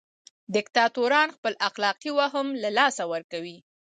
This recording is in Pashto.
دیکتاتوران خپل اخلاقي وهم له لاسه ورکوي.